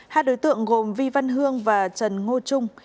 hai đối tượng gồm vi văn hương và trần ngô trung